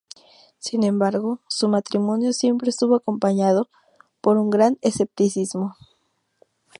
Sin embargo, su matrimonio siempre estuvo acompañado por un gran escepticismo.